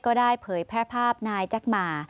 ก็ได้เผยแพร่ภาพนายแจ็คหมา